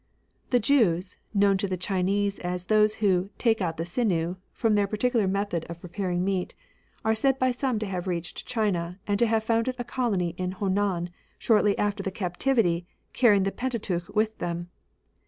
The Jews, known to the Chinese as those who " take out the sinew,'' from their peculiar method of preparing meat, are said by some to have reached China, and to have founded a colony in Honan, shortly after the Captivity, carrying the Pent ateuch with them.